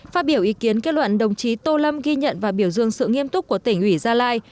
phát biểu ý kiến kết luận đồng chí tô lâm ghi nhận và biểu dương sự nghiêm túc của tỉnh ủy gia lai